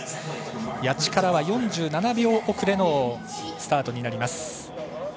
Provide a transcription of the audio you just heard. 谷地からは４７秒遅れのスタートになります。